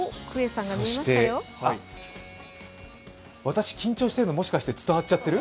私、緊張してるの、もしかして伝わっちゃってる？